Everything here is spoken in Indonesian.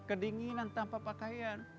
kedinginan tanpa pakaian